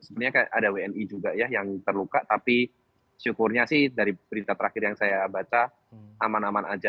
sebenarnya ada wni juga ya yang terluka tapi syukurnya sih dari berita terakhir yang saya baca aman aman aja